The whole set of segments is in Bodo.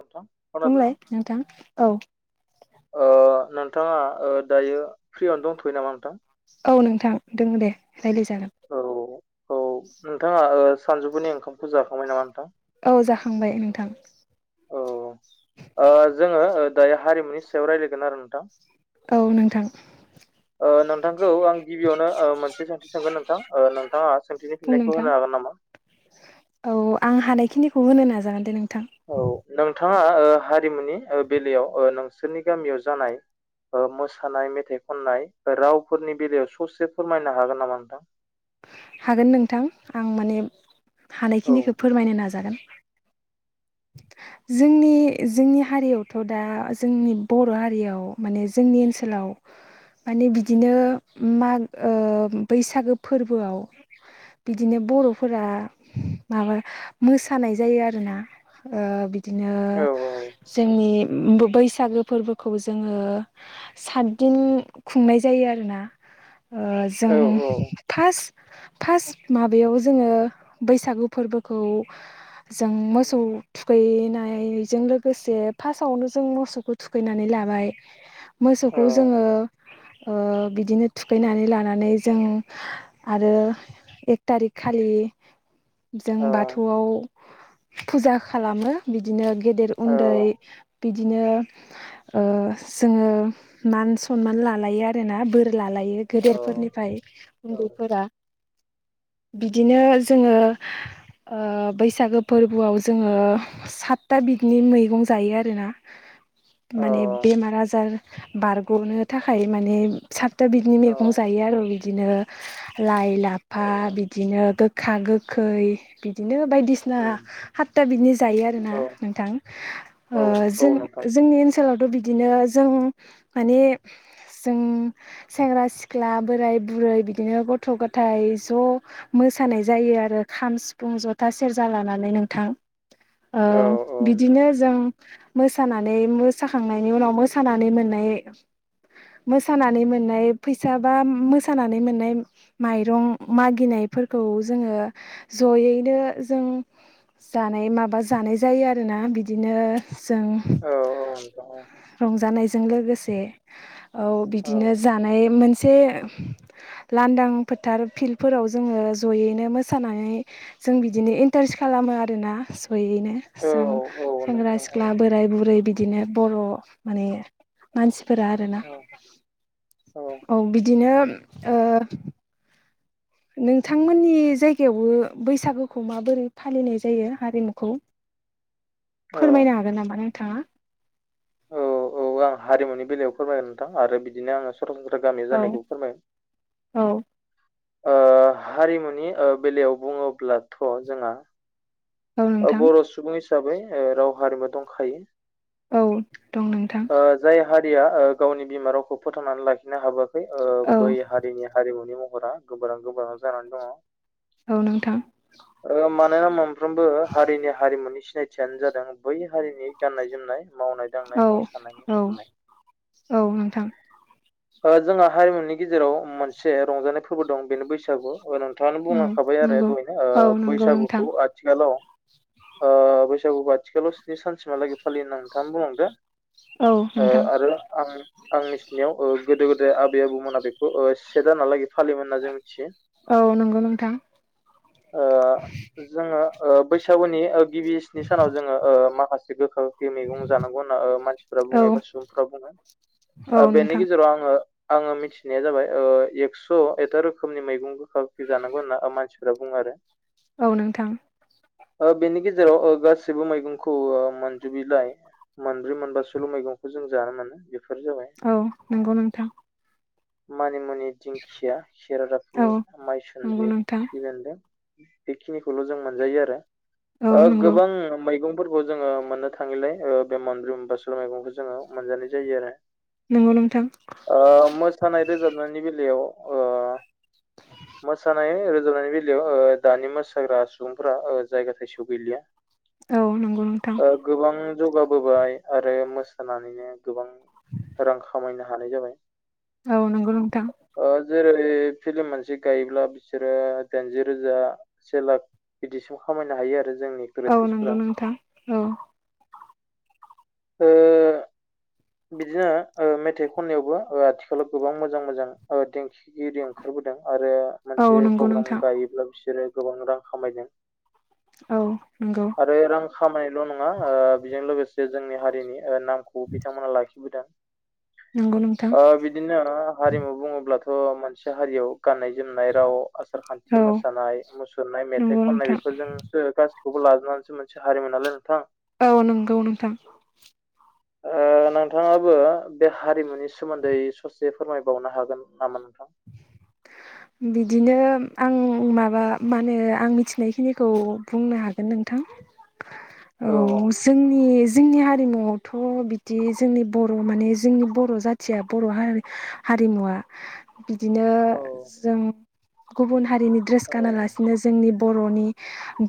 नोंथां खोनादोंना बुंलाय नोंथां औ ओ नोंथाङा ओ दायो फ्रियावन दंथ'यो नामा नोंथां? औ नोंथां दोङो दे। रायज्लायजागोन औ औ नोंथाङा ओ सानजौफुनि ओंखामखौ जाखांबाय नामा नोंथां? खांबाय नोंथां औ ओ जोङो ओ दायो हारिमुनि सायाव रायलायगोन आरो नोंथां। औ नोंथां [unintelligible] ओ नोंथांखौ आं गिबियावनो ओ मोनसे सोंथि सोंगोन नोंथां ओ नोंथाङा सोंथिनि बुं फिन्नायखौ नोंथां होनो हागोन नामा? [unintelligible] औ आं हानायखिनिखौ होनो नाजागोनदे नों औ नोंथाङा ओ हारिमुनि ओ बेलायाव ओ नोंसोरनि गामियाव जानाय ओ मोसानाय मेथाइ खननाय ओ रावफोरनि बेलायाव ससे फोरमायनो हागोन नामा नोंथां? हागोन नोंथां आं माने औ हानायखिनिखो फोरमायनो नाजागोन। [unintelligible] जोंनि जोंनि हारियावथ' दा जोंनि बर' हारियाव माने जोंनि ओनसोलाव माने बिदिनो उम माग ओ बैसागो फोरबोआव बिदिनो बर'फोरा माबा मोसानाय जायो आरोना ओ बिदिनो औ जोंनि उम बो बैसागो फोरबोखौ जोङो सातदिन खुंनाय जायो। आरोना ओ जों औ फास फास माबायाव जोङो बैसागु फोरबोखौ जों औ मोसौ थुखैना नायजों लोगोसे फासावनो जों मोसौखो थुखैनानै लाबाय मोसौखौ जोङो [unintelligible] ओ बिदिनो थुखैनानै लानानै जों आरो एक तारिक खालि जों औ बाथौआव फुजा खालामो बिदिनो गेदेर औ उन्दै बिदिनो ओ जोङो मान सनमान लालायो आरोना बोर लालायो औ गेदेरफोरनिफ्राय औ उन्दैफोरा। बिदिनो जोङो ओ बैसागो फोरबोआव जोङो सातथा बिदनि मैगं जायो आरोना। माने बेमार आजार बारग'नो थाखाय माने साथता बिदिनो औ मैगं जायो आरो बिदिनो लाइ लाफा बिदिनो गो गोखा गोखै बिदिनो। नो बायदिसि औ हातता बिदनि जायो आरो ना नोंथां औ ओ औ जों जों नोंथां जोंनि ओनसोलावथ' बिदिनो जों माने जों सेंग्रा सिख्ला बोराय बुरै बिदि बिदिनो गथ' गथाय ज' मोसानाय जायो आरो खाम सिफुं ज'था सेरजा लानानै। नोंथां ओ औ औ नोंथां बिदिनो जों मोसानानै मोसाखांनायनि उनाव मोसानानै मोननाय मोसानानै मोननाय फैसा बा मोसानानै मोननाय मायरं मागिनायफोरखौ जोङो ज'यैनो जों जानाय माबा जानाय जायो आरोना बिदिनो जों औ रंजानायजों लोगोसे औ बिदिनो जानाय मोनसे लांदां फोथार फिल्डफोराव जोङो जयैनो मोसानानै जों बिदिनो इन्टारेस्ट खालाम मो आरोना जयैनो जों औ सेंग्रा नोंथां औ सिख्ला बोराय बुरै बिदिनो बर' माने मानसिफोरा आरोना औ बि बिदिनो ओ नोंथांमोननि जायगायावबो बैसागोखौ माबोरै फालिनाय जायो हारिमुखौ? [unintelligible] फोरमायनो हागोन नामा नोंथाङा? औ आं हारिमुनि बेलायाव फोरमायगोन नोंथां आरो बिदिनो आङो [unintelligible] गामि औ जानायखौ फोरमाय औ ओ हारिमुनि ओ बेलायाव बुङोब्लाथ' जोंहा औ ओ नोंथां बर' सुबुं हिसाबै ओ राव हारिमु दंखायो। औ दं नोंथां। ओ जाय हारिया ओ गावनि बिमा रावखौ फोथांनानै लाखिनो हाबोआखै ओ औ बै हारिनि हारिमुनि मुं फोरा गोमोरहां गोमोरहां जानानै दङ। औ नोंथां ओ मानोना मोनफ्रोमबो हारिनि हारिमुनि सिनायथियानो जादों बै हारिनि गाननाय जोमनाय मावनाय दांनाय औ मोसानाय औ मुसुरनाय औ नोंथां जोंहा हारिमुनि गेजेराव मोनसे रंजानाय फोरबो दं बेनो बैसागु नोंथाङानो उम बुंलांखाबाय आरो नंगौ दहायनो ओ औ नंगौ नोंथां बैसागुखौ आथिखालाव ओ बैसागुखौ आथिखालाव स्नि सानसिमहालागै फालियो होनना नोंथाङा बुंलांदों औ नोंथां आरो आं आं मिथिनायाव ओ गोदो गोदाय आबै आबौमोना बेखौ ओ से दानालागै फालियोमोन होनना जों मिथियो औ नंगौ नोंथां ओ जोङो ओ बैसागुनि ओ गिबि स्नि सानाव जोङो ओ माखासे गोखा बे मैगं जानांगौ होनना ओ मानसिफ्रा औ बुङो एबा सुबुंफ्रा बुङो औ बेनि नोंथां गेजेराव आङो आङो मिथिनाया जाबाय ओ एक्स' एथा रोखोमनि मैगं गोखा गोखै जानांगौ होनना मानसिफोरा बुङो आरो औ नोंथां ओ बेनि गेजेराव ओ गासैबो मैगंखौ मोनजोबैलाय मोनब्रै मोनबा सोल' मैगंखौ जों जानो मोनो बेफोर जाबाय औ नंगौ नोंथां मानिमुनि, दिंखिया, औ केेरादाफिनि, नंगौ माइसन्द्रि, नोंथां खफिबेन्दों बेखिनिखौल' जों मोनजायो आरो औ ओ नंगौ गोबां मैगं फोरखौ जोङो मोननो थाङैलाय ओ बे मानद्रुम बाासल मैगंखौ जोङो मोनजानाय जायो आरो नंगौ नोंथां ओ मोसानाय रोजाबनायनि बेलायाव ओ मोसानाय रोजाबनायनि बेलायाव ओ दानि मोसाग्रा सुबुंफोरा ओ जायगा थायसेआव गैलिया औ नंगौ नोंथां ओ गोबां जौगाबोबाय आरो मोसानानैनो गोबां रां खामायनो हानाय जाबाय औ नंगौ नोंथां ओ जेरै फिम्ल मोनसे गायोब्ला बिसोरो दाइनजि रोजा से लाख बिदिसो खामायनो हायो आरो जोंनि एखथर औ नंगौ एखट्रेसफोरा नोंथां औ [unintelligible] बिदिनो ओ मेथाइ खननायावबो आथिखालाव गोबां मोजां मोजां देंखिगिरि ओंखारबोदों आरो औ मोनसे नंगौ प्रग्राम नोंथां गायोब्ला बिसोरो गोबां रां खामायगोन औ नंगौ आरो रां खामायनाल' नङा ओ बेजों लोगोसे जोंनि हारिनि नामखौ बिथांमोना लाखिबोदों नंगौ नोंथां ओ बिदिनो हारिमु बुङोब्लाथ' मोनसे हारियाव गाननाय जोमनाय राव आसार औ खान्थि मोसानाय मुसुरनाय मेथाइ नंगौ खननाय नोंथां बेफोरजोंसो गासै बेखौ लाजोबनानैसो मोनसे हारिमु नालाय नोंथां औ नंगौ नोंथां ओ दा नोंथाङाबो बे हारिमुनि सोमोन्दै ससे फोरमायबावनो हागोन नामा नोंथां [inaudible] बिदिनो आं माबा मा होनो आं मिथिनायखिनिखौ बुंनो हागोन नोंथां औ जोंनि जोंनि हारिमुआवथ' बिदि जोंनि बर' माने जोंनि बर' जाथिया बर' हारि हारिमुवा बिदिनो औ जों गुबुन हारिनि ड्रेस औ गानालासिनो जोंनि बर'नि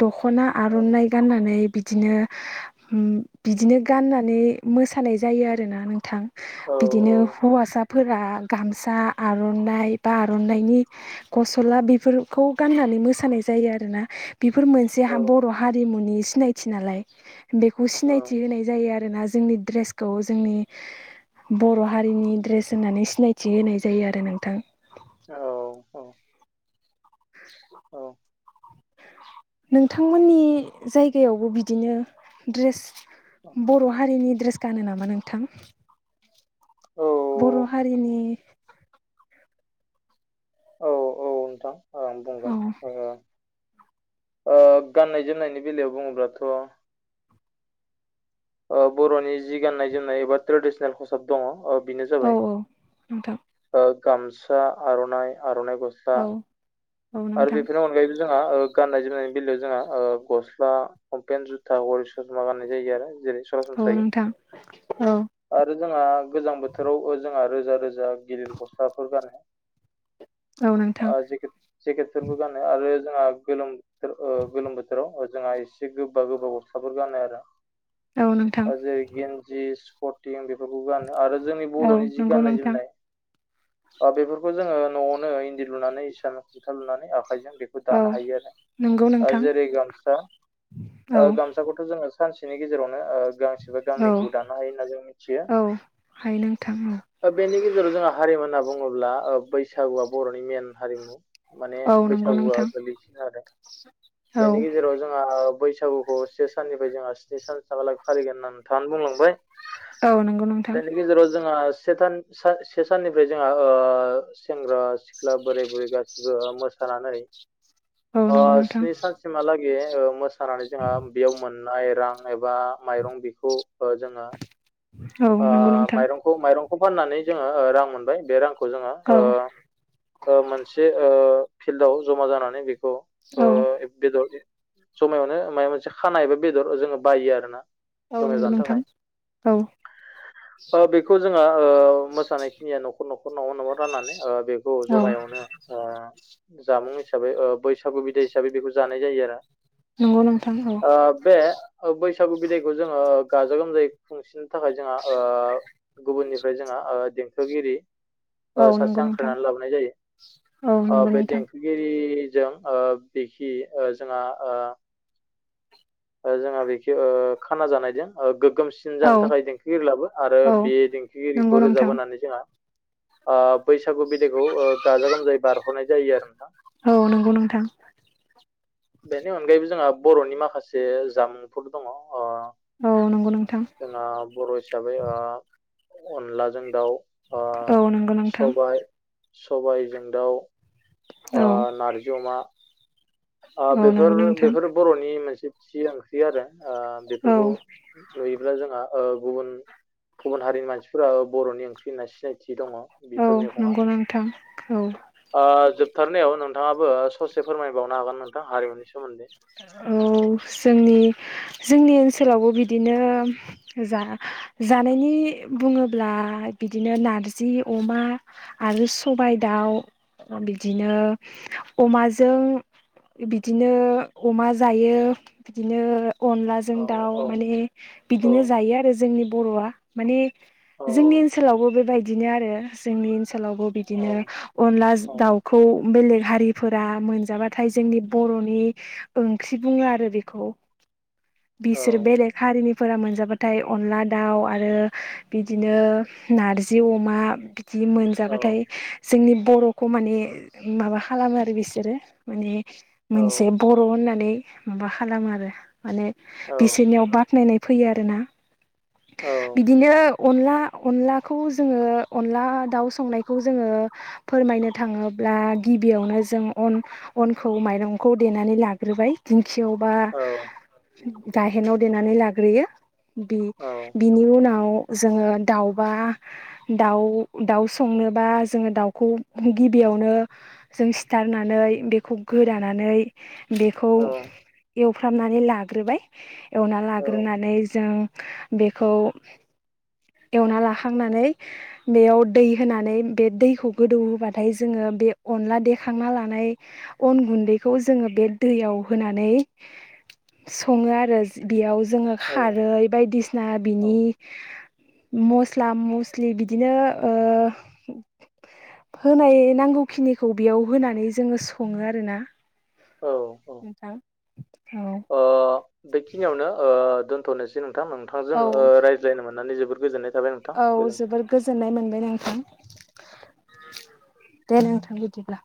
दख'ना आर'नाइ औ गाननानै बिदि बिदिनो बिदिनो गाननानै मोसानाय जायो आरोना नोंथां औ बिदिनो हौवासाफोरा गामसा आर'नाइ बा आर'नाइनि गस्ला बेफोरखौ गाननानै मोसानाय जायो आरोना बेफोर औ मोनसेहा बर' हारिमुनि सिनायथि नालाय बेखौ सिनायथि होनाय जायो आरोना जोंनि ड्रेसखौ जोंनि बर' हारिनि ड्रेस होननानै सिनायथि होनाय जायो आरो नोंथां औ औ औ नोंथांमोननि जायगायावबो बिदिनो ड्रेस बर' हारिनि ड्रेस गानो नामा नोंथां? बर' औ हारिनि औ औ नोंथां औ बुंगोन ओ गाननाय जोमनायनि बेलायाव बुङोब्लाथ' ओ बर'नि जि गाननाय जोमनाय गासिबो ट्रेडिसनेल खसाब दङ ओ बेनो औ जाबाय नोंथां ओ गामसा आर'नाइ आर'नाइ गस्ला औ औ आरो नोंथां बेफोरनि अनगायैबो जोंहा ओ गाननाय जोमनायनि बेलायाव जोंहा ओ गस्ला लंपेन जुथा गरि ससमा गाननाय जायो आरो जेरै औ सरासनस्रायै नोंथां औ [inaudible] आरो जोंहा गोजां बोथोराव ओजों आरो रोजा रोजा गिदिर गस्लाफोर गानो औ नोंथां जेकेट जेकेटफोरबो गानो आरो जोंहा गोलोम ओ गोलोम बोथोराव ओ जोंहा एसे गोबा गोबा गस्लाफोर गानो आरो औ नोंथां [unintelligible] गेन्जि स्पटिं बे बेफोरखौ आरो जोंनि औ बर'नि जि नंगौ गाननाय नोंथां जोमनाय दा बेफोरखौ जोङो न'आवनो इन्दि लुनानै इसान खुन्था लुनानै आखाइजों बेखौ औ दानो हायो नंगौ आरो नोंथां जेरै ओ गामसा औ गामसाखौथ' जोङो बिनि गेजेरावनो ओ गांसेबा औ गांनैखौ दानो हायो होनना जों मिथियो औ हायो नोंथां औ ओ बेनि गेजेराव जोंहा हारिमु होनना बुङोब्ला ओ बैसागुआ बर'नि मेन हारिमु माने औ नंगौ बैसागुआ नोंथां गोलैसिनो आरो औ बेनि गेजेराव जोंहा बैसागुखौ से साननिफ्राय जोंहा स्नि सान साबालागे फालिगोन होनना नोंथाङानो बुंलांबाय औ नंगौ नोंथां बेनि गेजेराव जोंहा से थान सा से साननिफ्राय जोंहा ओ सेंग्रा सिख्ला बोराय बुरै गासिबो मोस सानानै औ ओ नंगौ नोंथां स्नि सान सिमाला गे ओ मोसानानै जोंहा बेयाव मोननाय रां एबा माइरं बेखौ ओ जोङो औ आ नंगौ नोंथां माइरंखौ माइरं खौ फाननानै जोङो ओ रां मोनबाय बे रांखौ जोङो औ ओ ओ मोनसे ओ फिल्डआव जमा जानानै बेखौ ओ औ एब बेदर ए जमायावनो मायबा मोनसे खाना एबा बेदर ओ जोङो बायो आरोना। औ जमायाव नंगौ जानो नोंथां थाखाय औ। ओ बेखौ जोंहा ओ मोसानायखिनिया न'खर न'खर न'आव न'आव राननानै ओ बेखौ औ जमायावनो ओ जामुं हिसाबै ओ बैसागु बिदाय हिसाबै बेखौ जानाय जायो आरो। नंगौ नोंथां औ ओ बे ओ बै सागु बिदायखौ जोङो गाजा गोमजायै खुंसिननो थाखाय जोंहा ओ गुबुननिफ्राय जोंहा ओ देंखोगिरि ओ औ सासे नंगौ नोंथां हांख्रायनानै लाबोनाय जायो औ ओ नंगौ बे नोंथां देंखोगिरि जों ओ बेखि ओ जोंहा ओ ओ जोंहा बेखि ओ खाना जानायजों ओ गो गोमसिन जानो औ थाखाय देंखोगिरि लाबो आरो औ बे नंगौ देंखोगिरिखौ रोजाब नोंथां होनानै जोंहा ओ बैसागु बिदायखौ ओ गाजा गोमजायै बारहरनाय जायो आरो नोंथां। औ नंगौ नोंथां। बेनि अनगायैबो जोंहा बर'नि माखासे जामुंफोर दङ अ औ नंगौ जोंना बर' हिसाबै ओ अनलाजों दाउ ओ औ नंगौ नोंथां। सबाय सबायजों दाउ ओ औ नारजि अमा ओ औ बेफोर नंगौ नोंथां बेफोर बर'नि नि मोनसे थि ओंख्रि आरो ओ औ बेफोरखौ नुयोब्ला जोंहा ओ गुबुन गुबुन हारिनि मानसिफोरा बर'नि ओंख्रि होनना सिनायथि दङ औ बेफोर मैगङा नंगौ नोंथां औ ओ जोब थारनायाव नोंथाङाबो ससे फोरमायबावनो हागोन नोंथां हारिमुनि सोमोन्दै। औ। औ जोंनि जोंनि ओनसोलावबो बिदिनो जा जानायनि नि बुङोब्ला बिदिनो नारजि अमा आरो सबाइ दाउ ओ बिदिनो अमाजों बिदिनो अमा जायो बिदिनो अनलाजों औ दाउ औ माने औ बिदिनो जायो आरो जोंनि बर'आ माने औ जोंनि ओनसोलावबो बेबायदिनो आरो जोंनि ओनसोलावबो औ बिदिनो अनला औ दाउखौ बेलेग हारिफोरा मोनजाबाथाय जोंनि बर'नि ओंख्रि बुङो आरो बेखौ बिसोर बेलेक हारिनि फोरा मोनजाबाथाय अनला दाउ आरो बिदिनो नारजि अमा बि दि औ मोनजाबाथाय जोंनि बर'खौ माने माबा खालामो आरो बिसोरो माने मोनसे बर' होननानै माबा खालामो आरो माने औ बिसोरनियाव बाख्नायनाय फैयो आरोना औ बिदिनो अनला अनलाखौ जोङो अनला दाउ संनायखौ जोङो फोरमायनो थाङो ब्ला गिबियावनो जों अन अनखौ माइरंखौ देनानै ला ग्रोबाय दिंखियाव बा गाहेनाव देनानै लाग्रोयो। बि बिनि उनाव जोङो दाउबा दाउ दाउ संनोबा जोङो दाउखौ गिबियाव नो जों सिथारनानै बेखौ गोदानानै बेखौ औ एवफ्रामनानै ला ग्रोबाय एवना औ लाग्रोनानै जों बेखौ एवना लाखांनानै बेयाव दै होनानै बे दैखौ गोदौ होबाथाय जोङो बे अनला देखांना लानाय अन गुन्दैखौ जोङो बे दैयाव होनानै सङो आरो बेयाव जोङो औ खारै बायदिसिना औ बिनि मस्ला मस्लि बिदिनो होनाय नांगौखिनिखौ बेयाव होनानै जोङो सङो आरोना। औ औ नोंथां औ ओ बेखिनियावनो ओ दोनथ'नोसै नोंथां नोंथांजों रायज्लायनो मोननानै जोबोर गोजोननाय थाबाय नोंथां औ गोजोन्थों जोबोद गोजोननाय मोनबाय नोंथां। दे नोंथां बिदिब्ला